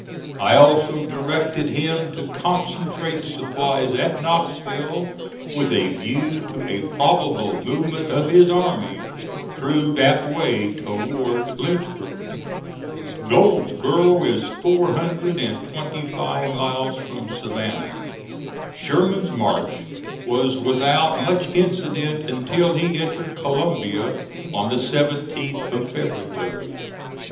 I also directed him to concentrate supplies at Knoxville, with a view to a probable movement of his army through that way toward Lynchburg. Goldsboro is four hundred and twenty five miles from Savannah. Sherman's march was without much incident until he entered Columbia, on the 17th of February.